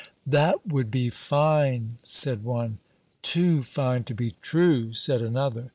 "That would be fine!" said one. "Too fine to be true!" said another.